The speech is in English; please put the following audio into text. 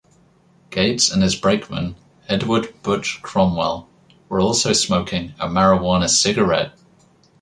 Gates and his brakeman, Edward "Butch" Cromwell, were also smoking a marijuana cigarette.